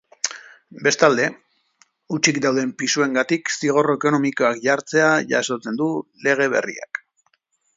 Bestalde, hutsik dauden pisuengatik zigor ekonomikoak jartzea jasotzen du lege berriak.